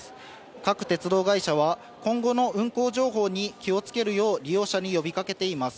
各鉄道会社は、今後の運行情報に気をつけるよう、利用者に呼びかけています。